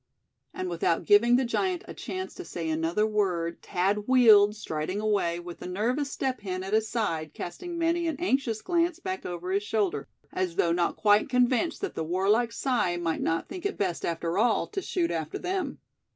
And without giving the giant a chance to say another word Thad wheeled, striding away, with the nervous Step Hen at his side, casting many an anxious glance back over his shoulder, as though not quite convinced that the warlike Si might not think it best after all to shoot after them.